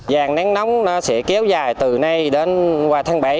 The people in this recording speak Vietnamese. giàn nén nóng sẽ kéo dài từ nay đến qua tháng bảy